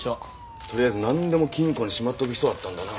とりあえずなんでも金庫にしまっておく人だったんだな。